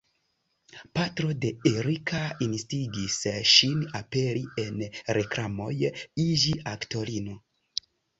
Patro de Erika instigis ŝin aperi en reklamoj, iĝi aktorino.